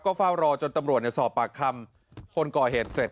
เฝ้ารอจนตำรวจสอบปากคำคนก่อเหตุเสร็จ